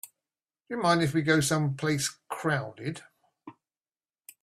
Do you mind if we go someplace crowded?